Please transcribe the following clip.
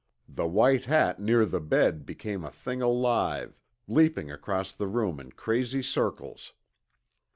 The white hat near the bed became a thing alive, leaping across the room in crazy circles.